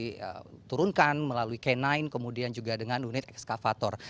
ketika anjing pelacak yang sudah diturunkan melalui canine kemudian juga dengan unit ekskavator